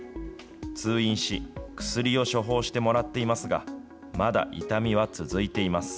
通院し、薬を処方してもらっていますが、まだ痛みは続いています。